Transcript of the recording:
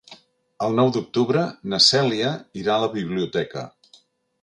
El nou d'octubre na Cèlia irà a la biblioteca.